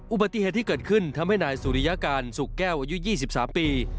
อุบัติเหตุที่เกิดขึ้นทำให้นายสุริยการสุขแก้วอายุ๒๓ปี